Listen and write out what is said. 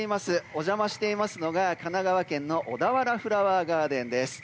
お邪魔していますのが神奈川県の小田原フラワーガーデンです。